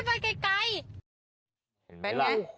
บอกว่าให้ไปไกล